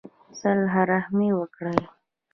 صلہ رحمي وکړئ